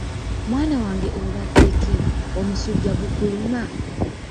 Mwana wange obadde ki? Omusujja gukuluma?